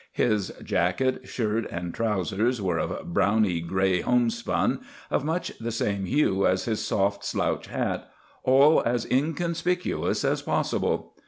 His jacket, shirt, and trousers were of browny grey homespun, of much the same hue as his soft slouch hat, all as inconspicuous as possible.